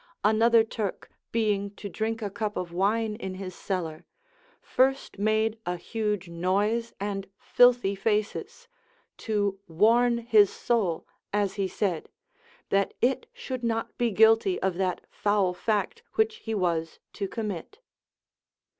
Another Turk being to drink a cup of wine in his cellar, first made a huge noise and filthy faces, to warn his soul, as he said, that it should not be guilty of that foul fact which he was to commit.